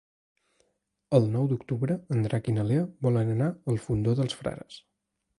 El nou d'octubre en Drac i na Lea volen anar al Fondó dels Frares.